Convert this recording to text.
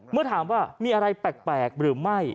เมื่อถามว่ามีอะไรแปลกหรือไม่